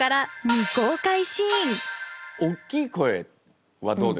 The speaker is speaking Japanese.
おっきい声はどうですか？